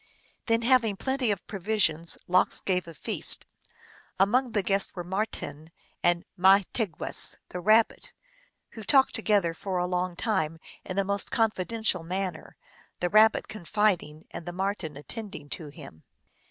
Then having plenty of provisions, Lox gave a feast. Among the guests were Marten and Mahti gwess, the Rabbit, who talked together for a long time in the most confidential manner, the Rabbit con fiding and the Marten attending to him.